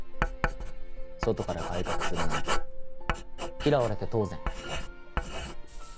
外から改革するなんて嫌われて当然。